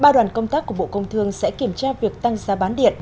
ba đoàn công tác của bộ công thương sẽ kiểm tra việc tăng giá bán điện